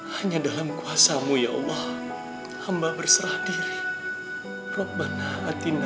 hanya dalam kuasa mu ya allah hamba berserah diri